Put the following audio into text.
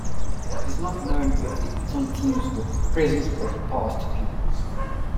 It is not known if the Eton teams were present or past pupils.